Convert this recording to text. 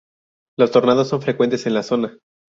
Los tornados son frecuentes en la zona.